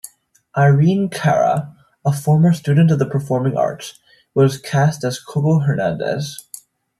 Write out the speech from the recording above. Irene Cara, a former student of the Performing Arts, was cast as Coco Hernandez.